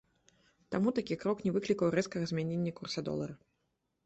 Таму такі крок не выклікаў рэзкага змянення курса долара.